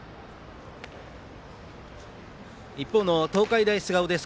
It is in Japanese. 一方の東海大菅生です。